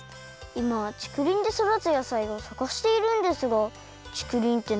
いまちくりんでそだつ野菜をさがしているんですがちくりんって